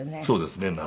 そうですね。